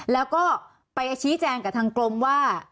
แล้วก็ไปชี้แจงกับทางกรมว่า